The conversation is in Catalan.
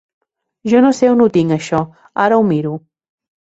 Ja no sé on ho tinc, això, ara ho miro.